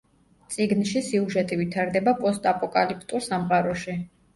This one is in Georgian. წიგნში სიუჟეტი ვითარდება პოსტაპოკალიფტურ სამყაროში.